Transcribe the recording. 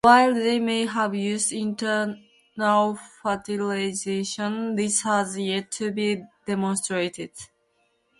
While they may have used internal fertilization, this has yet to be demonstrated.